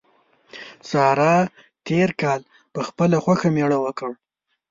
سارا تېر کال په خپله خوښه مېړه وکړ.